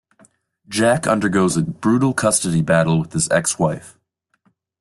Jack undergoes a brutal custody battle with his ex-wife.